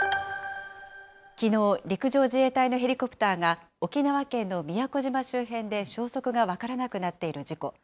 きのう、陸上自衛隊のヘリコプターが、沖縄県の宮古島周辺で消息が分からなくなっている事故。